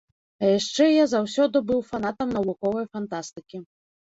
А яшчэ я заўсёды быў фанатам навуковай фантастыкі.